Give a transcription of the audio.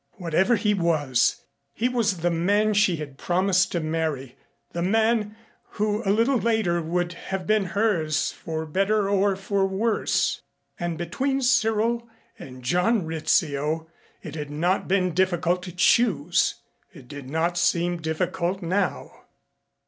Whatever else he was, he was the man she had promised to marry the man who a little later would have been hers for better or for worse. And between Cyril and John Rizzio it had not been difficult to choose. It did not seem difficult now.